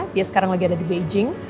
dia sekarang lagi ada di beijing